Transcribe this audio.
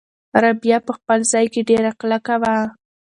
رابعه په خپل ځای کې ډېره کلکه وه.